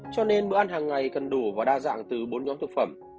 cho nên bữa ăn hàng ngày cần đủ và đa dạng từ bốn nhóm thực phẩm